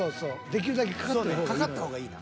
できるだけかかった方がいい］